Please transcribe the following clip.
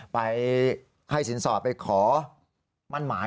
ไปให้สินสอดไปขอมั่นหมาย